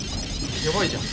やばいじゃん。